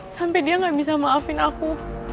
sampai dia gak bisa maafin aku